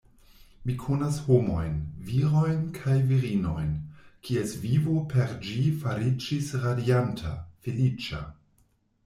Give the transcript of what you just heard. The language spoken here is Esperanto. Mi konas homojn, virojn kaj virinojn, kies vivo per ĝi fariĝis radianta, feliĉa.